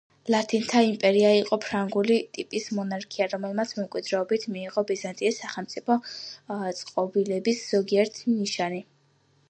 ლათინთა იმპერია იყო ფრანგული ტიპის მონარქია, რომელმაც მემკვიდრეობით მიიღო ბიზანტიის სახელმწიფო წყობილების ზოგიერთი ნიშანი.